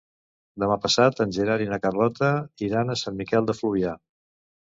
Demà passat en Gerard i na Carlota iran a Sant Miquel de Fluvià.